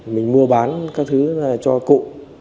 mình mua bán các thứ này cho cụ